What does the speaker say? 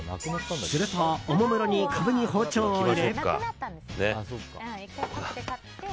すると、おもむろにカブに包丁を入れ。